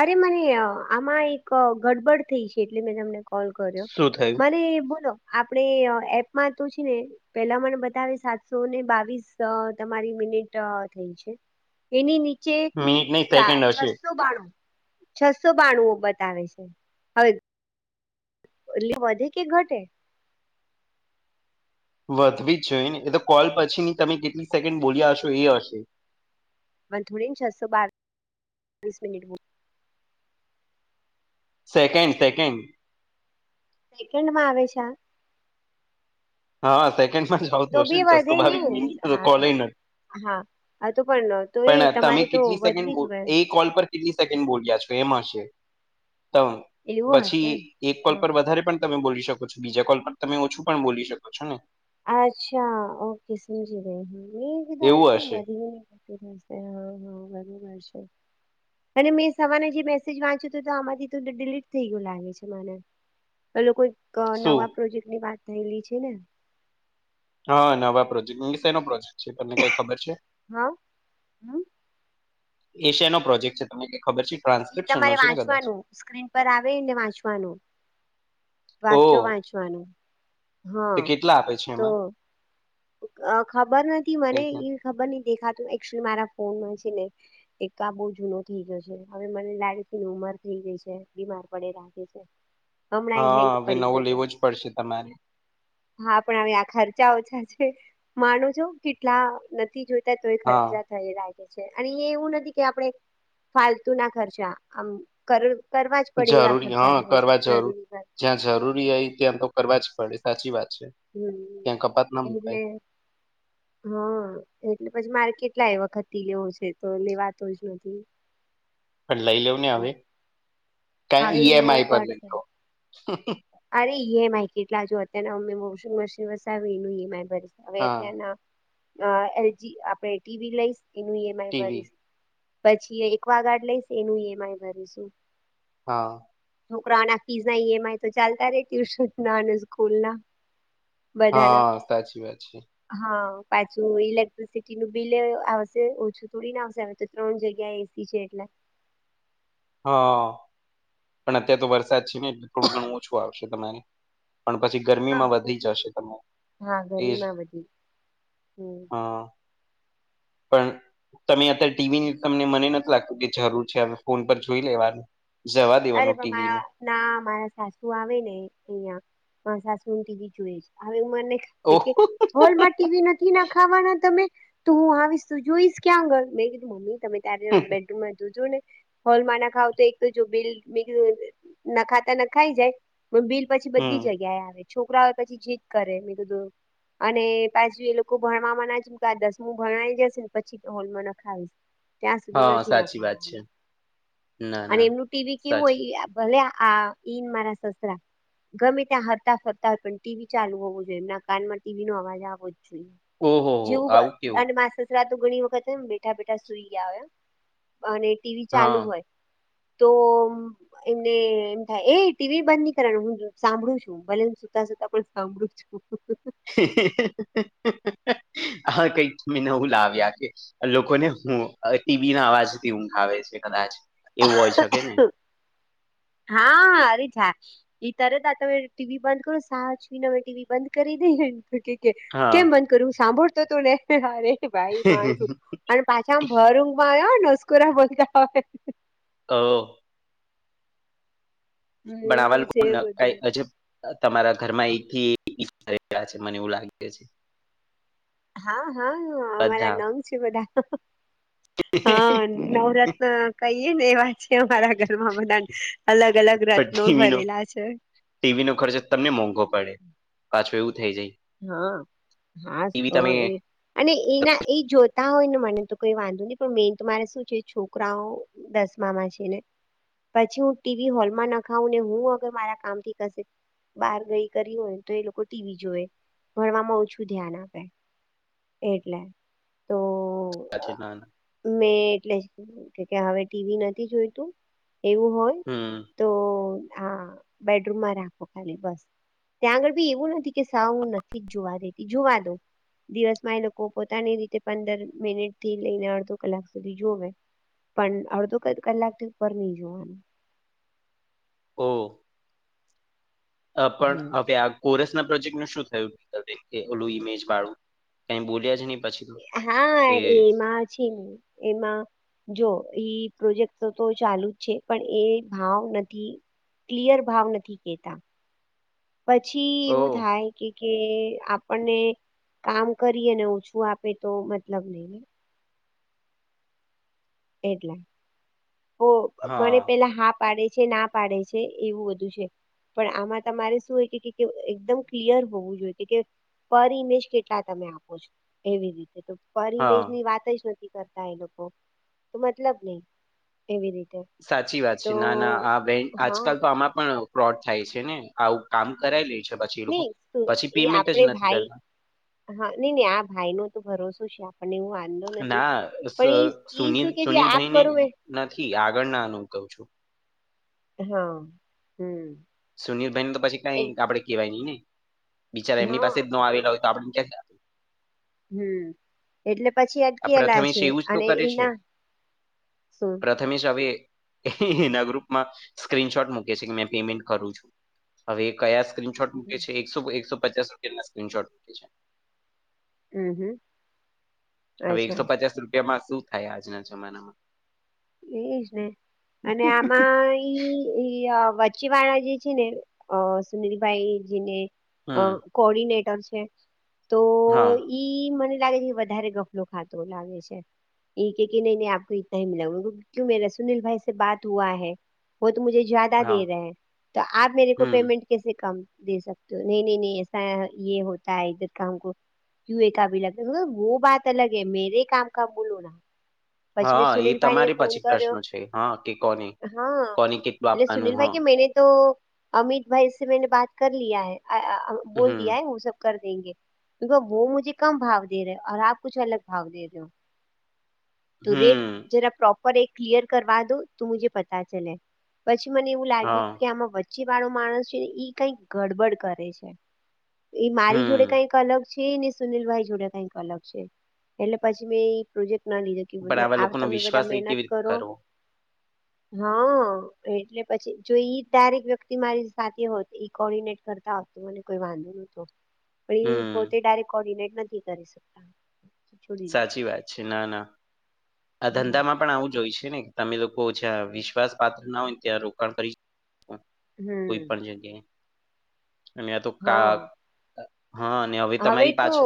અરે મને આમાં એક ગડબડ થઈ છે એટલે મેં તમને કોલ કર્યો શું થયું મને બોલો આપણેે એપમાં તો છે ને પેલા મને બતાવે સાતસો ને બાવીસ તમારી મિનિટ થઈ છે. એની નીચે મિનિટ નહી સેકન્ડ હશે છસો બાણું છસો બાણુઓ બતાવે છે. એલી વધે કે ઘટે. વધવી જ જોઈએ ને એ તો કોલ પછી ની તમે કેટલી સેકન્ડ બોલ્યા હશો એ હશે. પણ થોડી ને છસો બારીસ મિનિટ. Second second. વેકેન્ડ માં આવે છે આ હા સેકન્ડ માં જ આવતું તો હશે બી ને વધે ચસ્ુ ભાવ ને હા પણ કોલીંગ. હા તો પણ તો એ તમે તમારે તો કેટલી સેકન્ડ વધવી જ હોય એ કોલ પર કેટલી સેકન્ડ બોલ્યા છો એમાં હ છે. તો એવું પછી હશે એક કોલ હા પર વધારે પણ તમે બોલી શકો છો બીજા કોલ પર તમે ઓછું પણ બોલી શકો છો ને. અચ્છા ઓકે સમજીજી ગઈ હ વિદા એવું હશે વધી હા હા બરોબર છે. અને મેં સવાર જે મેસેજ વાંચ્યો હતું આમાંથી ડડીલીટ થઈ ગયું લાગે છે મને. એે લોકોઈ શું નવા પ્રોજેક્ટ ની વાત થયેલી છે ને. હા નવા પ્રોજેક્ટ નો પ્રોજેક્ટ છે તમને કઈ ખબર છે. હા હમ. એશિયા નો પ્રોજેક્ટ છે તમને ખબર છે. એઈ ટ્રાન્સક્રિપ્શન નો તમારે છે ને કદાચ વાંચવાનું સ્ક્રીન પર આવે ને વાંચવાનું. વાક્યો વાંચવાનું તો હા કેટલા આપે છે તો એમાં. ખબર નથી મને એટલે એ ખબર નહ દેખાતુંચલી મારા ફોનમાં છે ને એકા બહુ જૂનો થઈ ગયો છે હવે મને લાડીથીની ઉમર થઈ ગઈ છે બીમાર પડે રાખે છે. હમણાં હેંગ હા હવે પડી નવો ગયો હતો. લેવો જ પડશે તમારે હા પણ હવે આ ખર્ચા ઓછા છે માનો છો કેટલા નથી જોઈ તો હા ખરજ થઈ રાખે છે અને એ એવું નથી કે આપણે ફાલતુ ના ખર્ચા આમ કર કરવા જ પડે એવા જરૂરી ખર્ચા હા થાય કરવા છે જરૂર જરૂરી જ્યાં જરૂરી હોય ત્યાં તો કરવા જ પડે સાચી વાત છે, હમ ત્યાં કપાત ના મુકાય એટલે હા એટલે પછી મારે કેટલા એ વખત થી, લેવો છે, તો લેવાતો જ નથી પણ લઈ લવ ને હવે કઈ હવે ઈએમ લેવો આઈ પર પડશે લો અરે ઈ એમ આઈ કેટલા જો, અત્યારેને અમે વોશિંગ મશીન વસાવી્યું એનું ઈમ આઈ ભરી હવે હા અત્યંના એલજી આપણે ટીવી લઈશ એનું ઈમ આઈ ટીવી ભરીશ પછી એકવા ગાર્ડ લઈ એનુંમઈ ભરીશું. હા. છોકરાઓના ફીસ નાઈમ તો ચાલતા રે ટ્યુશન ના સ્કૂલ ના બધાના હા સાચી વા છે. હા પાછું ઇલેક્ટ્રિસિટી નું બિલ આવશે ઓછું થોડી ના આવશે. ત્રણ જગ્યા એસી છે. એટલે હા પણ અત્યારેાર તો વરસાદ છે, ને એટલે થોડું ઘણું ઓછું આવશે તમારે પણ પછી હા ગરમીમાં વધી જશે તમે હા એ ગરમીમાં વધી હમ. પણ તમે અત્યારે ટીવીની તમને મને નથી લાગતું કે જરૂર છે, ફોન પર જોઈ લેવાનું જવા દેવાનું અરેબમાં ટીવીનું ના મારા સાસુ આવે ને અહિયાં મા સાસુ ટી બી જોઈ છે, હવે હું મને ઓહ થી. હોલમાં ટીવી નથી, ના ખાવાના તમે તો હું આવીશ તું જોઈશ ક્યાં આગળ મેં કીધું મમ્મી તમે ત્યારે બેડરૂમમાં જોજો ને હોલમાં ના ખાવ તો એક જો બિલ બી ના ખાતા ન ખાઈ જાય પણ બિલ પછી બધી હમ જગ્યાએ આવે છોકરા હોય પછી જીત કરે મ તોધ અને પાછુ એ લોકો ભણવામાં નામ કે, આ દસમું ભણઈ જશે ને પછી ત્યાં સુધી હા સાચી નથીવા વાત છે ના અને ના એમનું ટીવી કેવું હોય સાચી ભલે આ ઈન મારા સસરા ગમે ત્યાં હરતા ફરતા હોય પણ ટીવી ચાલુ હોવું જોઈએ એમના કાનમાં ટીવી નો અવાજ આવવો જ ઓહો હો જોઈએ આવું કેવું જેયું. દરા તો ઘણી વખત એમ બેઠા, બેઠા સુઈ ગયા હોય, અને ટીવી હા ચાલુ હોય. તો એમને એમ થાય એ ટીવી બંધ નની કરવાનું હું સાંભળું છું. બલેને સુતા, સુતા પણ સાંભળું. આ કં મેીનવું લાવ્યા છે. લોકોને હું ટીવી ના અવાજથી ઊંઘાવે છે, કદાચ એવું હોય શકે ને હા હરીછા એ તરત આ તમે ટીવી બંધ કરો સાજવીનેમે ટીવી બંધ કરી દઈ હા કેમ બંધ કરું સાંભળતો તો ને અરે ભાઈ માણ છું, અને પાછામ ભર માયા નસ્કરા બોલતા હો. હ. હોય બનાવા એવું લોકો છે ન કઈ બધું અજબ તમારા ઘરમાં એકથીઈ્યા છે, મને એવું લાગે છે. હા, હા અમારા બધા નંગ છે, બધા હા પણ નવરત્ન કહીએ ને એ વાત છે, અમારા ઘરમાં બધા અલગ, અલગ રત્નો ભરેલા છે. ટીવી નો ખર્ચ તમને મોંઘો પડે પાછો એવું થઈ જાય હા હાસ ટીવી તો તમે એ અને એના એ જોતા હોય ને મને તો કોઈ વાંધો નહીં પણ મેન તો મારે શું છે, છોકરાઓ દસમામાંછ ને. પછી હું ટીવી હોલમાં ના ખાવઉ ને હું અગર મારા કામ થી કશે બહાર ગઈ કરી હોય તો એ લોકો ટીવી જોવે ભણવામાં ઓછું ધ્યાન આપે એટલે તો સાછી ના મે એટલે હવે ટીવી નથી જોઈતું એવું હોય હમ. તો હા બેડરૂમમાં રાખો ખાલી બસ ત્યાં આગળ બી એવું નથી કે હ હું નથી જ જોવા દેતી જોુવા દઉં દિવસમાં એ લોકો પોતાની રીતે પંદર મિનિટ થી લઈને અડધો કલાક સુધી જોવે પણ અડધો કલાક થી ઉપર નહી જોવાનું ઓ. પણ હમ હવે આ કોરસ ના પ્રોજેક્ટ નું શું થયું ઓલું ઈમેજ વાળું કઈ બોલ્યા જ ન હા એમાં છે ને એમાં જો ઈ પ્રોજેક્ટ તો ચાલુ જ છે પણ એ ભાવ નથી. ક્લિયર ભાવ નથી કેતા પછી ઓ એવું થાય કે કે આપણને કામ કરીએને ઓછું આપે તો મતલબ નહી. એટલા ઓ મને હા પેલા હા પાડે છે ના પાડે છે એવું બધું છે. પણ આમાં તમારે શું હોય કે એકદમ ક્લિયર હોવું જોઈએ. પર ઈમેજ કેટલા તમે આપો છો એવી રીતે પરિમેજ હા ની વાત જ નથી કરતા એ લોકો તો મતલબ નહી એવી રીતે સાચી વાત છે તો ના ના આ વ હા આજકાલ તો આમાં પણ ફ્રોડ થાય છે ને આવું કામ કરાય લે છે પછી એ લોકો નહી પછી એ પેમેન્ટ જ આપડે નથી ભાઈ કરતા હા નઈ નઈ આ ભાઈ નો તો ભરોસો છે આપ ના ઈ સુનીલ શું કે છે આપ સુનીલભાઈ ને કરું મે નથી આગળ નાનું કું છું. હા હમ. સુનીલ ભાઈ ન તો પછી એ કઈ આપડે કેહેવાય નહી ને બિચારા એમની હા પાસે જ ન આવેલા હોય તો આપડ ક્યાં હમ એટલે પછી આ અટકેલા પ્રથમેશ છે એવું જ તો અને કરે એ ના શું મે હવે એના ગ્રુપમાં સ્ક્રીનશોટ મૂકે છે કે મે પેમેન્ટ કરું છું હવે કયા સ્ક્રીનશોટ મૂકે છે એકો એકસો પચાસ રૂપિયા ના સ્ક્રીનશોટ મૂકે છે. હમ હમ હવે અચ્છા એકસો પચાસ રૂપ એમાં શું થાય આજના જમાનામાં એજ ને અને આમાં ઈ એ વચીવાળ જે છે ને સુનલભાઈ જેને હમ કોર્ડિનેટર છે તો હા ઈ મને લાગે છે વધારે ગફલો ખાતો લાગે છે કે ન ન આપ તના મિુ મેરા સુનીલભાઈસે બાત હઆૈ વ તો મુજે જ્યાદા દે હા રહે તો આપ મેરે કો હમ પેમન્ટ કે કામ દે સકતો હો નહી નહી ન એસાા એ હોતા ધર કામ કયુએ કા ભી લગ વો બાત અલગ હૈ મેરે કામ ક ભૂલ હો ના પછી હા એ સુનલભાઈ ને તમારે ફોન પછી કર્યો પ્રશ્ન છે હા કે કોને હા કોને કેટલું એટલે આપવાનું હ સુનિલભાઈ કે મેને તો અમિતભાઈ સ મેને બાત કર લ હૈ બોલ દ હમ હ સબ કર દેે વો મુજે કમ ભાવ દે આપ કુ અલગ ભાવ દે ર હો [inaudible] તો રેટ હમ જરા પ્રોપર એક ક્લયર કરવા દો તો મુે પતા ચલે. પછી મને એવું લાગ્યું હા કે આમાં ચ વાળો માણસ છે ઈ કઈક ગડબડ કરે છે એ મારી હમ જોડે કઈક અલગ છે ને સુનિલ ભાઈ જોડ કઈક અલગ છે એટલે પછી મેં પ્રોજેક્ટ ના લીધે પણ આવા લોકોનો તમે બધા વિશ્વાસ એ મહેનત કેવી રીતે કરો. [inaudible] હા. એટલે પછી જો ઈ ડાયરેક વ્યક્તિ મારી સાથે હોત એ કોર્ડિનેટ કરતા હોત વાંધો ન પણ એ પોતે હમ્મ. ડાયરેક્ટ કોર્ડિનેટ નથી કરીકતો સાચી વાત છે, ના ના આ હમ ધંધામાં પણ આવું જોય છે, ને તમે લોકો ઓછા વિશ્વાસ પાત્ર ના હોયને ત્યાં રોકાણ કરી કોઈ હમ પણ જગ્યાએ અ આ તો ક હા હા ને હવે તમારી પાછ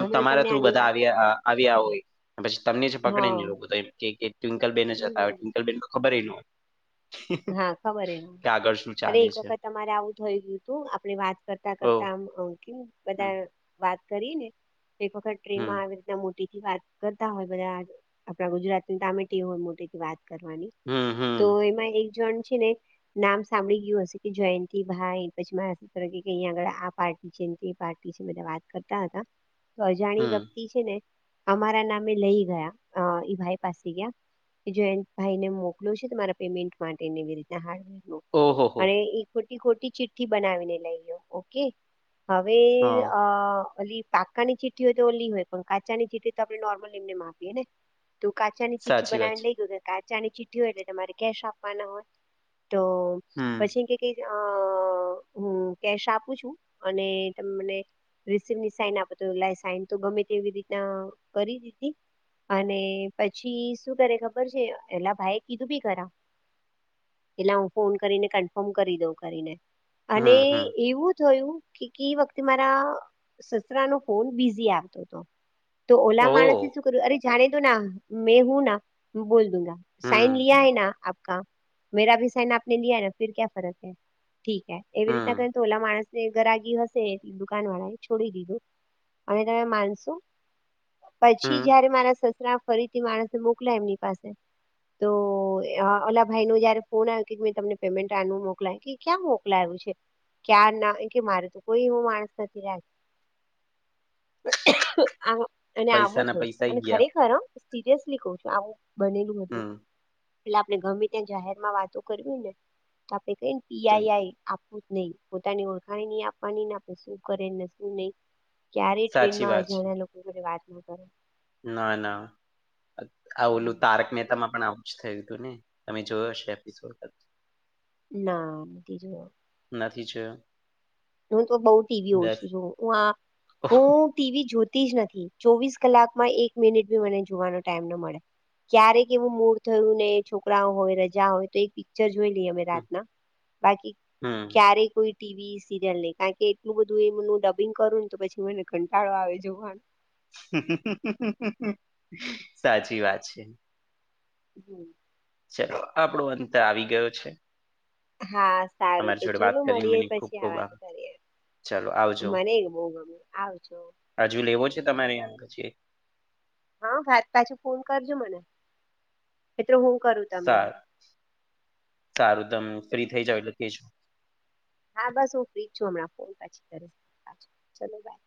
હમણાં તમારા તમને થ્રુ આની બધા વાત આવ્યા, આવ્યા હોય પછી તમને જ પકડીને હા એવું બધ કે ટ્વિકલ બેન જ હતા હમ ટવિકલ બેન ખબર ન હોય. હા ખબર એને કે આગળ શું અરે ચાલે એક છે. વખત તમારે આવું થય ગયું હતું, આપડ વાત કરતા, કરતા ઓહ! આમ હમ્મ, બધા વાત કરીને એક વખત હમ્મ, ટ્રેનમાં આવે. મોટી થી, વાત કરતા હોય બધા આપણા ગુજરાત ની તામેટી હોય મોટી થી વાત કરવાની હમ્મ, તો હમ્મ, એમાં એક જણ છે ને નામ સાંભળી ગયું હશે કે જયંતિ ભાઈ પછી મારા અહીં આગળ આ પાર્ટી છે, પાર્ટી બધા વાત કરતા હતા તો અજાણી હમ્મ. વ્યક્તિ છે, ને અમારા નામે લઈ ગયા એ ભાઈ પાસે ગયા. જો ભાઈને મોકલો છે, તમારા પેમેન્ટ માટે રીના હાર્ડવેર ઓહોહો! અને ખોટી ચિઠ્ઠી બનાવીને લઈ લો ઓકે હા, હવેલી. પાકા ની ચીઠી હોય, તો ઓ લી હોય કો કાચાની ચીઠી તો આપણે નોર્મલી એમનેપીએ ને તો કાચાની ચિઠ્ઠી સાચી વાત બનાવાને છે. લઈ ગયું કે કાચાની ચિતિ હો એટલે તમારે કેશ આપ હો તો હમ્મ, પછી કે હું કેશ આપું છું, અને તને રિસીપ ની સાઈન આપો તો લ સાઈન તો ગમે તેવી રીતના કરી દીધી. અને પછી શું કરે ખબર છે, એેલા ભાઈ કીધું બી કરા એટલા હું ફોન કરીને કન્ફર્મ કરી દઉ કરીને અને હમ્મ, હમ્મ. એવું થયું કે વખતે મારા સસરા નો ફોન બિઝી આવતો હતો. તો ઓલા માણસે ઓ શું કર્યું અરે જાણે તો ના મેં હું ના બોલ દિયા સાઇન હમ લિયા હૈ ના, આપકા મેરા ભી સાઇન આપને લિયા ના ફ ક્યા ફરક હૈ ઠીકે એવી રીતના હમ કર થોલા માણસ ગરાગી હશે દુકાન વાળા એ છોડી દીધું અને તમે માનશો પછી હમ જયારે મારા, સસરા ફરીથી માણસે મોકલા એમની પાસે તો ઓલા ભાઈ ન જયારે ફોન આવ કે, મેં તમને પેમેન્ટ આ મોકલાય કે ક્યાં મોકલાય્યું છે. ક્યાં ના કે મારે તો કોઈ એવું માણસ નથી. રાખ અને પૈસા આવું ના થય પૈસા અને ઈ ગયા ખરેખરમ સિરિયસલી કહ છું, આવું બનેલું હતું. હમ એટલે આપણે ગમે ત્યાં જાહેર માં વાતો કરવી ને તો, આપડે કઈ ને તો પીઆઈઆઈ આપવું જ નહીં પોતાની ઓળખાણી ન આપવાનીને શું કરેને શું નહી, ક્યારે સાચી ટ્રેનમાં વાત છે વાત ન કરે ના, ના આ ઓલું હમ. તારક મેહેહતામાં પણ આવું જ થયું હતું ને તમે જોયો હશે એપસોડ ના નથી જવાબ નથી છે. હું તો બહ ટીવી ઓછું છું, હું, હું. ટીવી જોતી જ નથી ચોવીસ કલાક માં એક મિનિટ બી મને જોવાનો ટાઈમ ન મળે ક્યારેક એવું મૂળ થયું ને છોકરાઓ હોય રજા હોય તો એક જજમે લ અમે હમ રાતના બાકી હમ. ક્યારે કોઈ ટીવી સિરિયલ ને કારણ કે, એટલું બધું એ ડબિંગ કરું ને તો પછી મને ઘંટાળો આવે જોવાનો. સાચી વાત છે. હમ. ચલો આપણો અંત આવી ગયો છે. હા સારું તમારી તો જોડે ચાલ વાત મળીએે પછી આ વાત કરી. ચાલો આવ. મને બહુ ગમે આવ છો. હજુ લેવો છે તમારે આગછ. હા પછી ફોન કરજો મને મિત્ર હું કરું તમને. સારું સારું તમે ફ્રી થઇ જાાવ એટલે કેજો. હા બસ હું ફ્રીજ છું હમણાં ફોન પછી ચલો બાય.